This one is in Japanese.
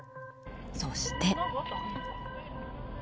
そして。